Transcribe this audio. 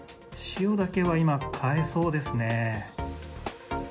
塩だけは今、買えそうですね。